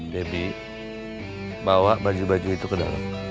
baby bawa baju baju itu ke dalam